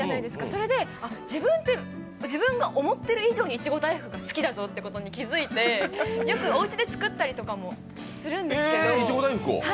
それで、自分が思ってる以上にいちご大福が好きだぞって気づいてよくおうちで作ったりとかもするんですけど。